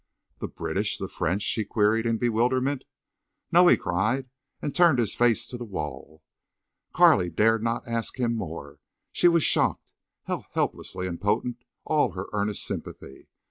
"The British? The French?" she queried, in bewilderment. "No!" he cried, and turned his face to the wall. Carley dared not ask him more. She was shocked. How helplessly impotent all her earnest sympathy!